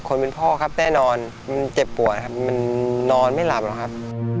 คนเป็นพ่อครับแน่นอนมันเจ็บปวดครับมันนอนไม่หลับหรอกครับ